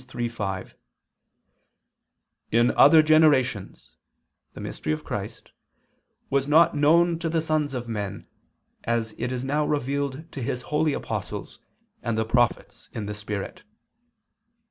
3:5, "In other generations" the mystery of Christ "was not known to the sons of men, as it is now revealed to His holy apostles and prophets in the Spirit."